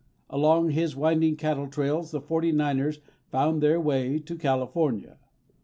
Along his winding cattle trails the Forty Niners found their way to California.